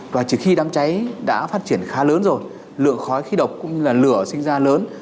và chỉ khi đám cháy đã phát triển khá lớn rồi lượng khói khí độc cũng như là lửa sinh ra lớn